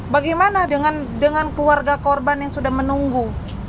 bagaimana dengan keluarga korban yang sudah menunggu